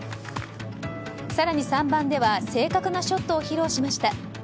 更に３番では正確なショットを披露しました。